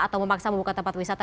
atau memaksa membuka tempat wisata